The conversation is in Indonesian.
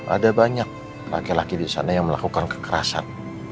ada banyak laki laki disana yang melakukan kekerasan